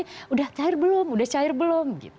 sudah cair belum udah cair belum